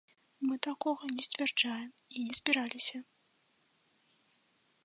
Мы такога не сцвярджаем і не збіраліся.